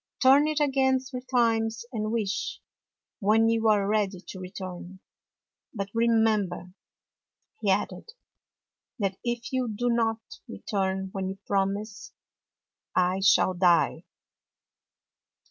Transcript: Turn it again three times and wish, when you are ready to retmu. But remem ber," he added, " that if you do not return when you promise, I shall die."